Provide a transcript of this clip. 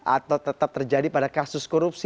atau tetap terjadi pada kasus korupsi